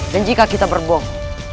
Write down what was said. dan jika kita berbohong